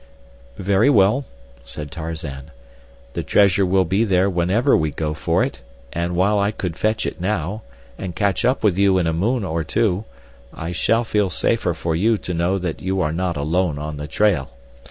"Very well," said Tarzan. "The treasure will be there whenever we go for it; and while I could fetch it now, and catch up with you in a moon or two, I shall feel safer for you to know that you are not alone on the trail.